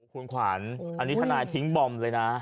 คุณขวัญอันนี้ทนายทิ้งบอมเลยนะ